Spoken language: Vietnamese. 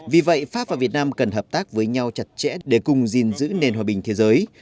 vì vậy pháp và việt nam cần hợp tác với nhau chặt chẽ để cùng gìn giữ nền hòa bình thế giới